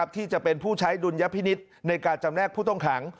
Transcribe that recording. ที่จะเป็นผู้ใช้ดุลยพินิษฐ์ในการจำแนกผู้ต้องขัง